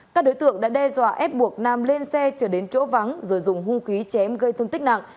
các đối tượng đã đe dọa ép buộc nam lên xe chở đến chỗ vắng rồi dùng hung khí chém gây thương tích nặng